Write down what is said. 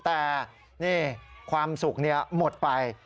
แต่นี่ความสุขหมดไป